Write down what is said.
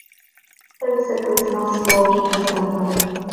There is a Christmas Walk in December.